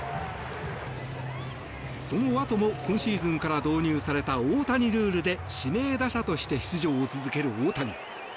そのあとも今シーズンから導入された大谷ルールで指名打者として出場を続ける大谷。